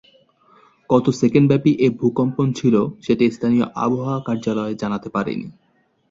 কত সেকেন্ডব্যাপী এ ভূকম্পন ছিল, সেটি স্থানীয় আবহাওয়া কার্যালয় জানাতে পারেনি।